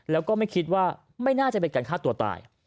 แล้วก็ไม่คิดว่าไม่น่าจะเป็นการฆ่าตัวตาย